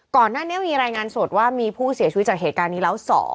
ก่อนหน้านี้มีรายงานสดว่ามีผู้เสียชีวิตจากเหตุการณ์นี้แล้ว๒